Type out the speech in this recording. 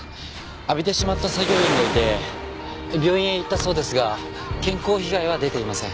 浴びてしまった作業員がいて病院へ行ったそうですが健康被害は出ていません。